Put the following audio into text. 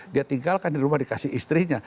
dia tinggalkan di rumah dikasih istrinya